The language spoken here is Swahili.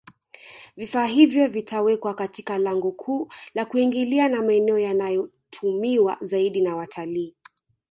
Vifaa hivyo vitawekwa Katika lango kuu la kuingilia na maeneo yanayotumiwa zaidi na watalii